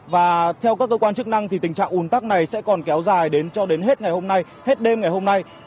và theo các cơ quan chức năng thì tình trạng ùn tắc này sẽ còn kéo dài đến cho đến hết ngày hôm nay hết đêm ngày hôm nay